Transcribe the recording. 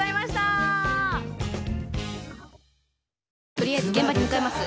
とりあえず現場に向かいます。